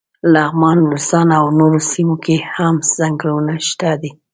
لغمان، نورستان او نورو سیمو کې هم څنګلونه شته دي.